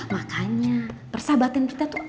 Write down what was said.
makanya persahabatan kita tuh